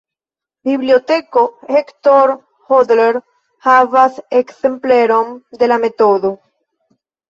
Biblioteko Hector Hodler havas ekzempleron de la metodo.